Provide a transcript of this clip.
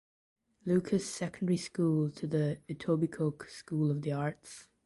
Lucas Secondary School to the Etobicoke School of the Arts.